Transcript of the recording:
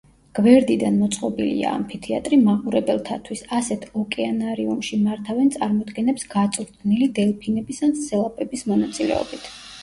გვერდიდან მოწყობილია ამფითეატრი მაყურებელთათვის: ასეთ ოკეანარიუმში მართავენ წარმოდგენებს გაწვრთნილი დელფინების ან სელაპების მონაწილეობით.